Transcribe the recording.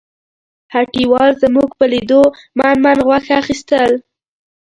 هټیوال زموږ په لیدو من من غوښه اخیستل.